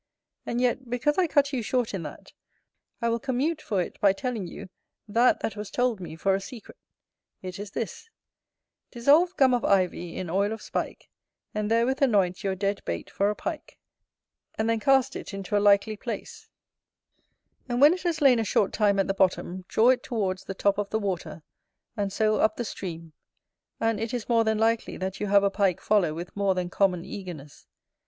And yet, because I cut you short in that, I will commute for it by telling you that that was told me for a secret: it is this: Dissolve gum of ivy in oil of spike, and therewith anoint your dead bait for a Pike; and then cast it into a likely place; and when it has lain a short time at the bottom, draw it towards the top of the water, and so up the stream; and it is more than likely that you have a Pike follow with more than common eagerness.